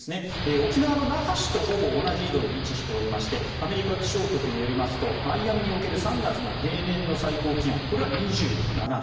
沖縄の那覇市とほぼ同じ緯度に位置しておりましてアメリカ気象局によりますとマイアミにおける３月の平年の最高気温これは２７度。